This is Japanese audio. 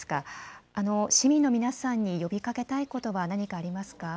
市民の皆さんに呼びかけたいことは何かありますか。